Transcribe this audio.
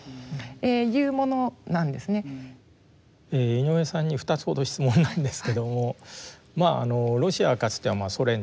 井上さんに２つほど質問なんですけどもロシアはかつてはソ連ってな形でですね